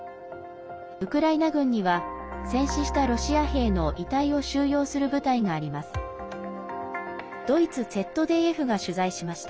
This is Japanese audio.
ウクライナ軍には戦死したロシア兵の遺体を収容する部隊があります。